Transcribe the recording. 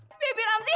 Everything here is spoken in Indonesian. hah bebi ramji